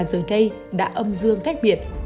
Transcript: đã âm dương cách biệt